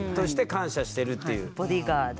ボディーガード。